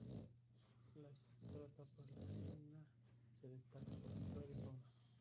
La Stara Planina se destaca por su flora y fauna.